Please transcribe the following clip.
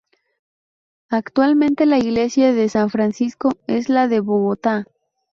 Actualmente la Iglesia de San Francisco es la de Bogotá.